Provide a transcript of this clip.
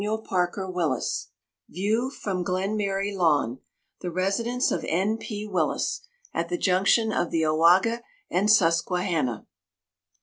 VIEW FROM GLENMARY LAWN, THE RESIDENCE OF N. P. WILLIS. (AT THE JUNCTION OF THE OWAGA AND SUSQUEHANNA.)